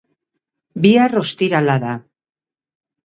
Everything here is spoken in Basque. Bihar ostirala da.